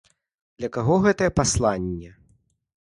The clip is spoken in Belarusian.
Для каго гэтае пасланне?